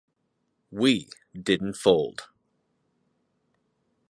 We didn't fold.